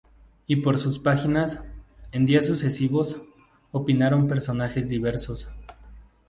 Y por sus páginas, en días sucesivos, opinaron personajes diversos.